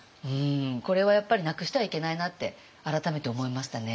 これはやっぱりなくしてはいけないなって改めて思いましたね。